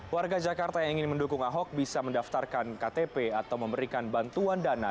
warga jakarta yang ingin mendukung ahok bisa mendaftarkan ktp atau memberikan bantuan dana